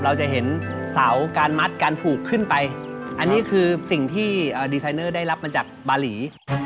เราจะเห็นเสาการมัดการผูกขึ้นไปอันนี้คือสิ่งที่ดีไซเนอร์ได้รับมาจากบาหลี